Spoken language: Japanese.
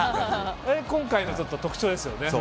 今回の特徴ですよね。